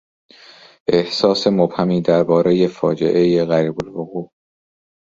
احساس مبهمی دربارهی فاجعهی قریبالوقوع